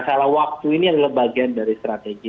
masalah waktu ini adalah bagian dari strategi